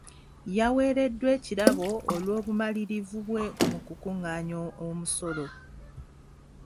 Yaweereddwa ekirabo olw'obumalirivu bwe mu kukungaanya omusolo.